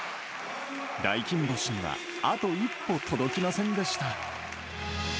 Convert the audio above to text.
大金星にはあと一歩届きませんでした。